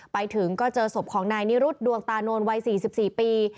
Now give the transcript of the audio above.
ไปถึงก็เจอศพของนายนิรุธดวงตานนวัย๔๔ปี